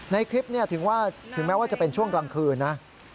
ในคลิปนี้ถึงแม้ว่าจะเป็นช่วงกลางคืนนะ